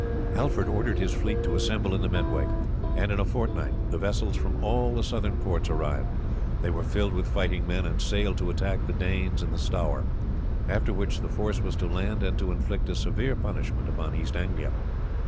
Alfred ordered his fleet to assemble in the Medway, and in a fortnight the vessels from all the southern ports arrived. They were filled with fighting men, and sailed to attack the Danes in the Stour, after which the force was to land and to inflict a severe punishment upon East Anglia.